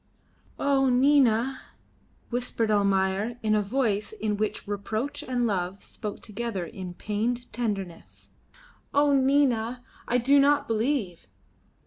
"Oh! Nina!" whispered Almayer, in a voice in which reproach and love spoke together in pained tenderness. "Oh! Nina! I do not believe."